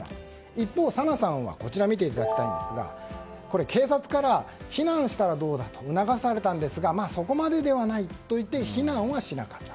一方、紗菜さんはこちらを見ていただきたいですが警察から避難したらどうだと促されたんですがそこまでではないといって避難はしなかった。